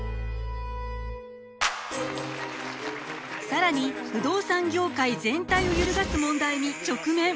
更に不動産業界全体を揺るがす問題に直面！